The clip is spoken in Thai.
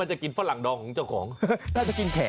มันจะกินฝ่าหลังดองของเจ้าหนะ